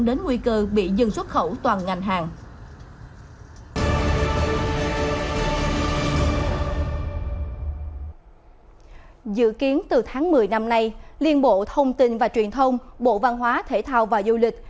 dự kiến từ tháng một mươi năm nay liên bộ thông tin và truyền thông bộ văn hóa thể thao và du lịch